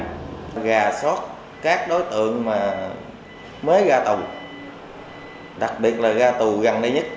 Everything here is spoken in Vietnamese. gà sót các đối tượng mới gà tù đặc biệt là gà tù gần đây nhất